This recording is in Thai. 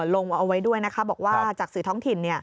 ลงเอาไว้ด้วยนะคะบอกว่าจากสื่อท้องถิ่น